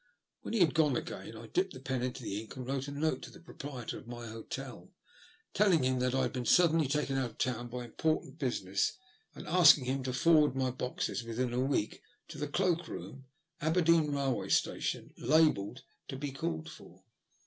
When he had gone again I dipped the pen into the ink and wrote a note to the proprietor of my hotel, telling him that* I had been suddenly taken out of town by important business, and asking him to forward my boxes, within a week, to the cloak room, Aberdeen railway station, labelled to be called for.